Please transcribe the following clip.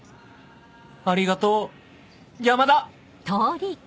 ありがとう山田！